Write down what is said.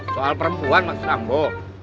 soal perempuan mas rambo